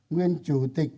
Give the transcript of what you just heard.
nguyên chủ tịch